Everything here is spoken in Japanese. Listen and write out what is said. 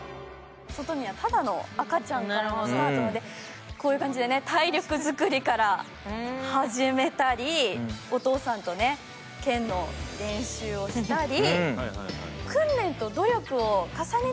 外見は、ただの赤ちゃんからのスタートなので、こういう感じで体力づくりから始めたり、お父さんと剣の練習をしたり。